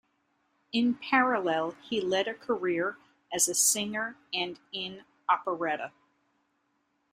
In parallel he led a career as a singer and in operetta.